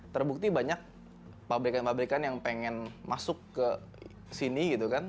terbukti banyak pabrikan pabrikan yang pengen masuk ke sini gitu kan